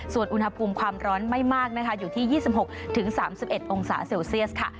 ส่วนอุณหภูมิความร้อนไม่มากนะคะอยู่ที่๒๖๓๑องศาเซลเซียสค่ะ